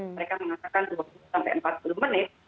mereka mengatakan dua puluh sampai empat puluh menit